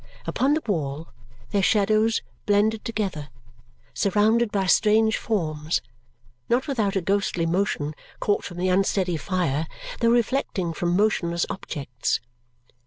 Upon the wall, their shadows blended together, surrounded by strange forms, not without a ghostly motion caught from the unsteady fire, though reflecting from motionless objects.